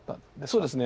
そうですね。